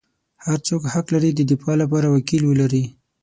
هر څوک حق لري د دفاع لپاره وکیل ولري.